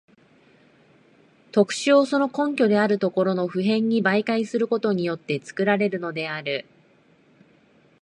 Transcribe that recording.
特殊をその根拠であるところの普遍に媒介することによって作られるのである。